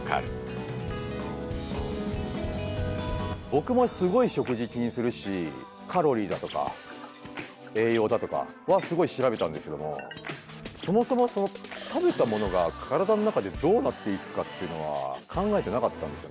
僕もすごい食事気にするしカロリーだとか栄養だとかはすごい調べたんですけどもそもそも食べたものが体の中でどうなっていくかっていうのは考えてなかったんですよね。